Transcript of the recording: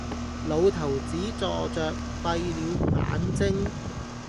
老頭子坐着，閉了眼睛，